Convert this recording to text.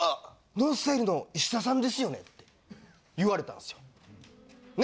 ＮＯＮＳＴＹＬＥの石田さんですよね？」って言われたんですよ。ね？